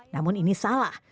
namun ini salah